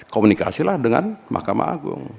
komunikasilah dengan mahkamah agung